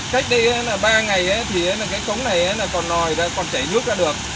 cách đây ba ngày thì cái cống này còn nòi ra còn chảy nước ra được